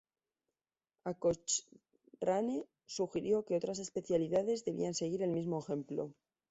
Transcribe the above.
A. Cochrane sugirió que otras especialidades deberían seguir el mismo ejemplo.